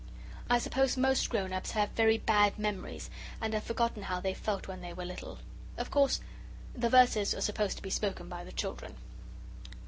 I suppose most grown ups have very bad memories, and have forgotten how they felt when they were little. Of course, the verses are supposed to be spoken by the children.